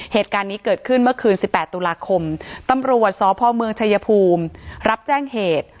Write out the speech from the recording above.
เหตุการณ์นี้เกิดขึ้นเมื่อคืน๑๘ตุลาคมตำรวจสพเมืองชายภูมิรับแจ้งเหตุ